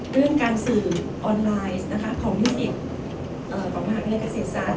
เรื่องการสื่อออนไลน์นะคะของนิติของมหาวิทยาลัยเกษตรศาสต